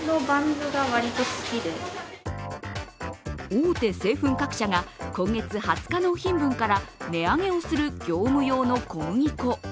大手製粉各社が今月２０日納品分から値上げをする業務用の小麦粉。